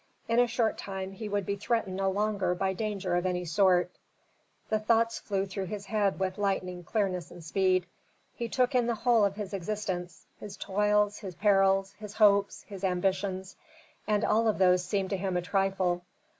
In a short time he would be threatened no longer by danger of any sort. The thoughts flew through his head with lightning clearness and speed. He took in the whole of his existence: his toils, his perils, his hopes, his ambitions, and all of those seemed to him a trifle.